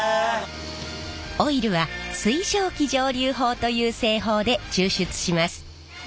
オイルは水蒸気蒸留法という製法で抽出します。